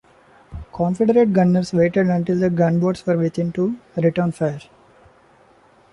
Confederate gunners waited until the gunboats were within to return fire.